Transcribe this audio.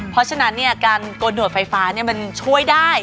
เพราะฉะนั้นเนี่ยการโกนหนวดไฟฟ้าเนี่ยมันช่วยได้